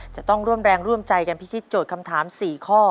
จะต้องร่วมแรงร่วมใจกันพิชิตโจทย์คำถาม๔ข้อ